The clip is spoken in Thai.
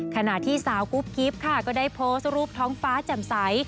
ขณะที่สาวกุ๊บกิ๊บค่ะก็ได้โพสต์รูปท้องฟ้าแจ่มใส